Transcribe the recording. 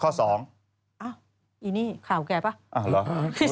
อ๊าออีนี้ข่าวแกยไหม